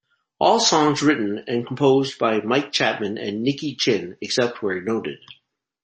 All songs written and composed by Mike Chapman and Nicky Chinn except where noted.